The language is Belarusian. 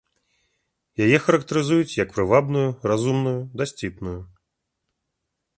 Яе характарызуюць, як прывабную, разумную і дасціпную.